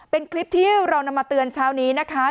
เป็นคลิปที่เรานำมาเตือนเช้านี้นะคะ